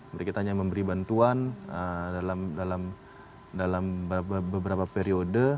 mereka hanya memberi bantuan dalam beberapa periode